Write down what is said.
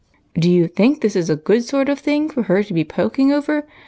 " Do you think that is a good sort of thing for her to be poking over